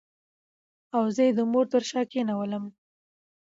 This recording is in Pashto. او زه یې د مور تر شا کېنولم.